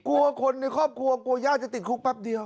กลัวคนในครอบครัวกลัวย่าจะติดคุกแป๊บเดียว